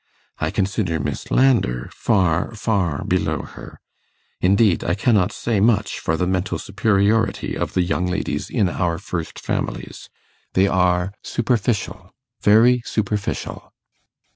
I consider Miss Landor far, far below her. Indeed, I cannot say much for the mental superiority of the young ladies in our first families. They are superficial very superficial.